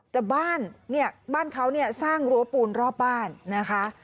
แต่บ้านเนี่ยบ้านเขาเนี่ยสร้างรั้วปูนรอบบ้านนะคะ